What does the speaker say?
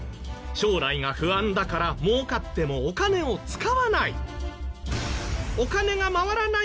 将来が不安だからもうかってもお金を使わない。